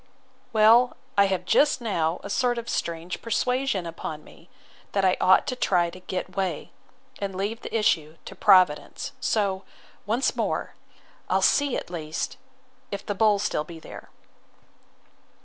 Well, I have just now a sort of strange persuasion upon me, that I ought to try to get way, and leave the issue to Providence. So, once more—I'll see, at least, if this bull be still there.